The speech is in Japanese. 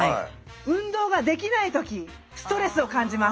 運動ができないときストレスを感じます。